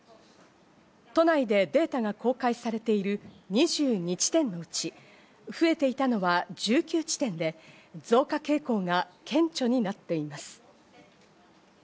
都内でデータが公開されている２２地点のうち増えていたのは１９地点で、増加傾向が顕著になっています。